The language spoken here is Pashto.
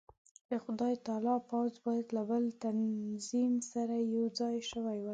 د خدای تعالی پوځ باید له بل تنظیم سره یو ځای شوی وای.